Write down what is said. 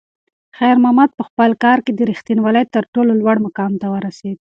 خیر محمد په خپل کار کې د رښتونولۍ تر ټولو لوړ مقام ته ورسېد.